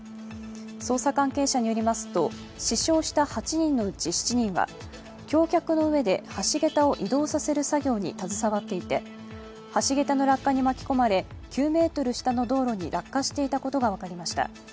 捜査関係者によりますと死傷した８人のうち７人は橋脚の上で橋桁を移動させる作業に携わっていて橋桁の落下に巻き込まれ９ｍ下の道路に落下していたことが分かりました。